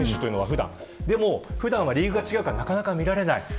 でも普段はリーグが違うからなかなか見られない。